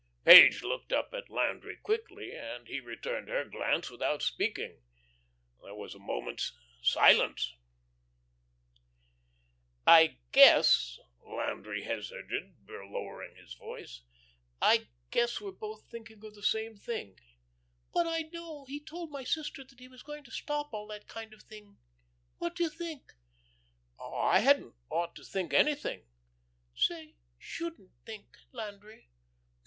Page looked up at Landry quickly, and he returned her glance without speaking. There was a moment's silence. "I guess," Landry hazarded, lowering his voice, "I guess we're both thinking of the same thing." "But I know he told my sister that he was going to stop all that kind of thing. What do you think?" "I hadn't ought to think anything." "Say 'shouldn't think,' Landry."